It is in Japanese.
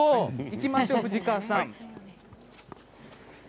行きましょう、藤川さん！